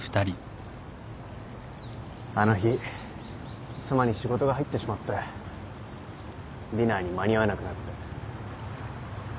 あの日妻に仕事が入ってしまってディナーに間に合わなくなって。